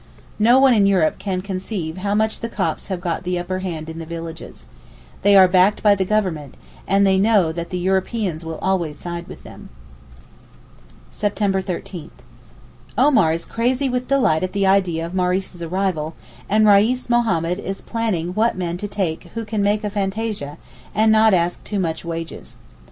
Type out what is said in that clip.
No one in Europe can conceive how much the Copts have the upper hand in the villages. They are backed by the Government, and they know that the Europeans will always side with them. September 13.—Omar is crazy with delight at the idea of Maurice's arrival, and Reis Mohammed is planning what men to take who can make fantasia, and not ask too much wages.